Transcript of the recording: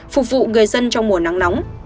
phục vụ người dân trong mùa nắng nóng